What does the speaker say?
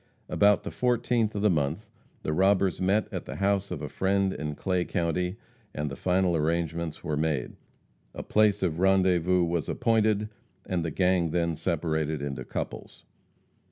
About the 14th of the month the robbers met at the house of a friend in Clay county, and the final arrangements were made; a place of rendezvous was appointed, and the gang then separated into couples.